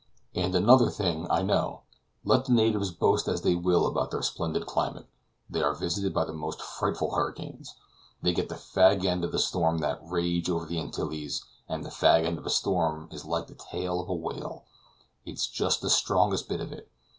And another thing, I know. Let the natives boast as they will about their splendid climate, they are visited by the most frightful hurricanes. They get the fag end of the storms that rage over the Antilles; and the fag end of a storm is like the tail of a whale; it's just the strongest bit of it.